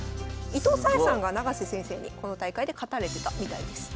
伊藤沙恵さんが永瀬先生にこの大会で勝たれてたみたいです。